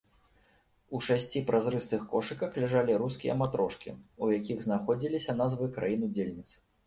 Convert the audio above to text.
У шасці празрыстых кошыках ляжалі рускія матрошкі, у якіх знаходзіліся назвы краін-удзельніц.